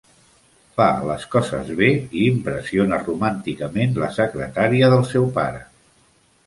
Fa les coses bé i impressiona romànticament la secretaria del seu pare.